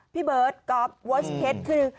พี่เบิร์ตก๊อฟเวิร์สเพชรคือ